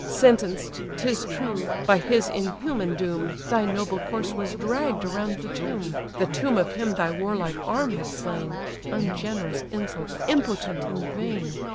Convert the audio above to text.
Sentenced, 'tis true, by his inhuman doom, Thy noble corse was dragg'd around the tomb; (The tomb of him thy warlike arm had slain;) Ungenerous insult, impotent and vain!